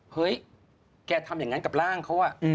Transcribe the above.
เฮ้ยแกทำอย่างนั้นกับร่างเขา